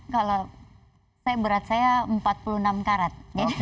kalau berat saya empat puluh enam karat